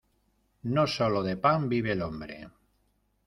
No solo de pan vive el hombre.